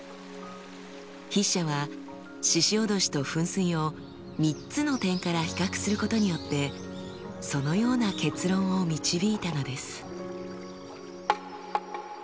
筆者は鹿おどしと噴水を３つの点から比較することによってそのような結論を導いたのです。